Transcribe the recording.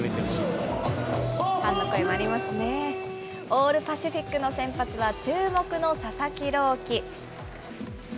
オール・パシフィックの先発は注目の佐々木朗希。